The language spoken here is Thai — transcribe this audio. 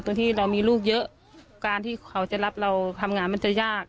ที่เรามีลูกเยอะการที่เขาจะรับเราทำงานมันจะยาก